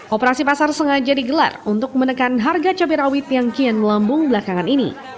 operasi pasar sengaja digelar untuk menekan harga cabai rawit yang kian melambung belakangan ini